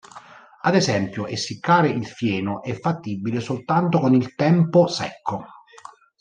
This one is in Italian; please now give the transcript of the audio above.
Ad esempio, essiccare il fieno è fattibile soltanto con il tempo secco.